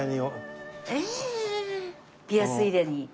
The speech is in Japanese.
ピアス入れに。